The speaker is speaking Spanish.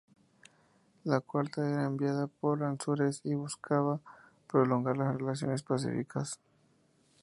La cuarta era enviada por Ansúrez y buscaba prolongar las relaciones pacíficas.